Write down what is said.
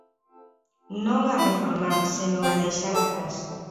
Non a reformar, senón a deixar atrás.